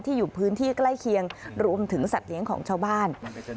อยู่พื้นที่ใกล้เคียงรวมถึงสัตว์เลี้ยงของชาวบ้าน